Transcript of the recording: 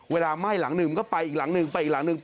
ไหม้หลังหนึ่งมันก็ไปอีกหลังหนึ่งไปอีกหลังหนึ่ง